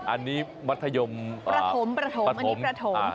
อันนี้มัธยมประถมประถมอันนี้ประถม